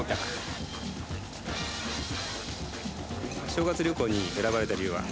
正月旅行に選ばれた理由は？